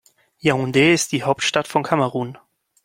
Yaoundé ist die Hauptstadt von Kamerun.